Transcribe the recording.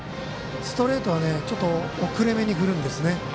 ストレートはちょっと遅れめに振るんですね。